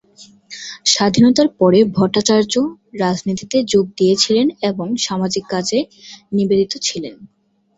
স্বাধীনতার পরে ভট্টাচার্য রাজনীতিতে যোগ দিয়েছিলেন এবং সামাজিক কাজে নিবেদিত ছিলেন।